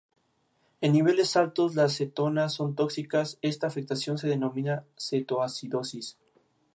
En niveles altos, las cetonas son tóxicas, Esta afección se denomina cetoacidosis.